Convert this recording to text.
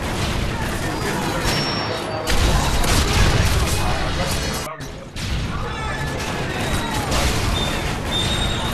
Singa eddwaliro liba n'abasawo bangi olwo abalwadde abawera bulijjo bajja kugenda mu ddwaliro eryo.